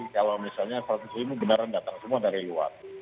kalau misalnya seratus ribu benaran datang semua dari luar